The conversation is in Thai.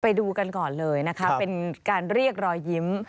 ไปดูกันก่อนเลยนะคะเป็นการเรียกรอยยิ้ม